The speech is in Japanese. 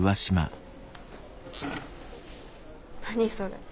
何それ。